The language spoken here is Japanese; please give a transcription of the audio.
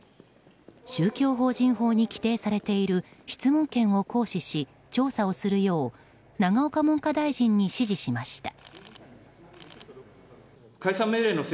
宗教法人法に規定されている質問権を行使し調査をするよう永岡文科大臣に指示しました。